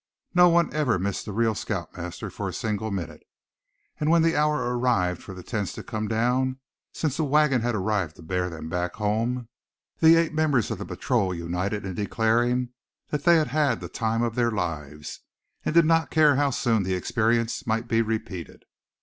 No one ever missed the real scout master for a single minute. And when the hour arrived for the tents to come down, since a wagon had arrived to bear them back home, the eight members of the patrol united in declaring that they had had the time of their lives; and did not care how soon the experience might be repeated.